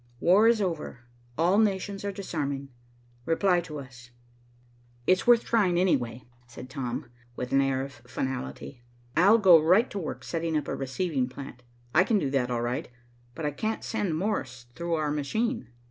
War is over. All nations are disarming. Reply to us.'" "It's worth trying, anyway," said Tom, with an air of finality. "I'll go right to work setting up a receiving plant. I can do that, all right, but I can't send Morse through our machine."